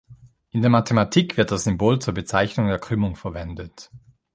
In der Mathematik wird das Symbol zur Bezeichnung der Krümmung verwendet.